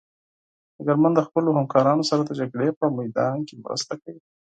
ډګرمن د خپلو همکارانو سره د جګړې په میدان کې مرسته کوي.